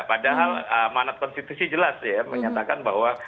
padahal amanat konstitusi jelas ya menyatakan bahwa